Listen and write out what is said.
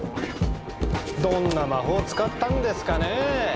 どんな魔法を使ったんですかね？